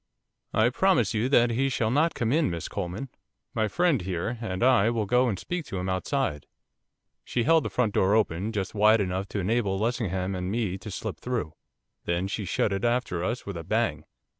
'I promise you that he shall not come in, Miss Coleman. My friend here, and I, will go and speak to him outside.' She held the front door open just wide enough to enable Lessingham and me to slip through, then she shut it after us with a bang.